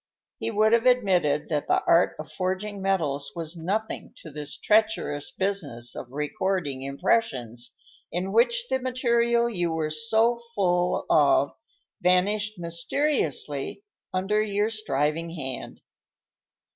He would have admitted that the art of forging metals was nothing to this treacherous business of recording impressions, in which the material you were so full of vanished mysteriously under your striving hand.